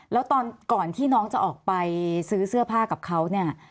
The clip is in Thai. แล้วตอนก่อนที่น้องจะออกไปซื้อเสื้อผ้ากับเขาเนี่ย